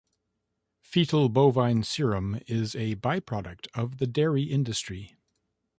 Fetal bovine serum is a by-product of the Dairy Industry.